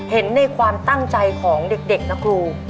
เห็นในความตั้งใจของเด็กนะครู